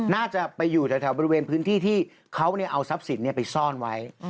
น่าจะไปอยู่แถวบริเวณพื้นที่ที่เขาเอาทรัพย์สินไปซ่อนไว้